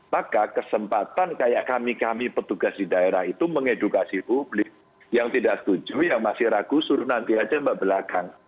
maka kesempatan kayak kami kami petugas di daerah itu mengedukasi publik yang tidak setuju yang masih ragu suruh nanti aja mbak belakang